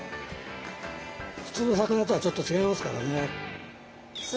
普通の魚とはちょっと違いますからね。